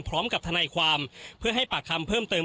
พร้อมกับทนายความเพื่อให้ปากคำเพิ่มเติม